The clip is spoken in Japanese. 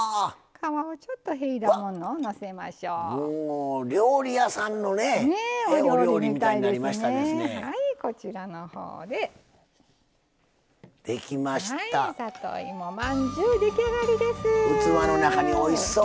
皮を、ちょっとそいだものを入れましょう。